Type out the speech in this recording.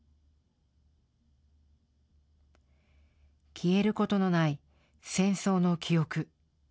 消えることのない戦争の記憶。